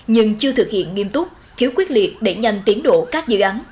nhưng chưa thực hiện nghiêm túc thiếu quyết liệt để nhanh tiến độ các dự án